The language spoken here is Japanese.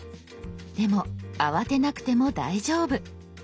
でも慌てなくても大丈夫。